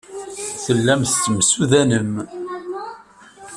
Tellam tettemsudanem?